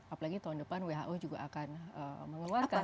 apalagi tahun depan who juga akan mengeluarkan